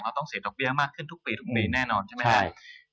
ต้องเสียดอกเบี้ยมากขึ้นทุกปีทุกปีแน่นอนใช่ไหมครับ